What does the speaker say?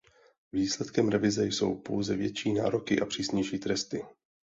Výsledkem revize jsou pouze větší nároky a přísnější tresty.